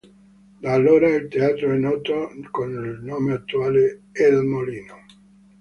Da allora, il teatro è noto col nome attuale, "El Molino".